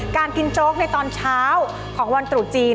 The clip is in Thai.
การกินโจ๊กในตอนเช้าของวันตรุษจีน